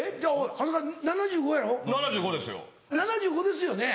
７５ですよね？